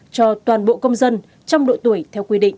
cho toàn bộ công dân trong độ tuổi theo quy định